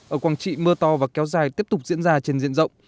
ở quảng trị mưa to và kéo dài tiếp tục diễn ra trên diện rộng